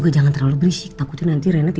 jangan pak jangan pergi